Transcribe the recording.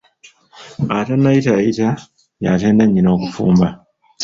Atannayitaayita, y'atenda nnyina okufumba.